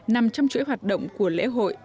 nằm trong chuỗi hoạt động của lễ hội